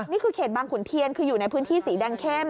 นี่คือเขตบางขุนเทียนคืออยู่ในพื้นที่สีแดงเข้ม